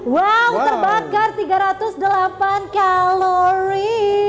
wow terbakar tiga ratus delapan kalori